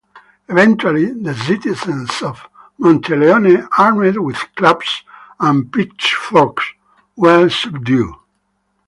Eventually, the citizens of Monteleone - armed with clubs and pitchforks - were subdued.